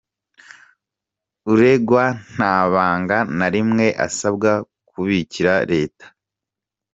Uregwa nta banga na rimwe asabwa kubikira Leta.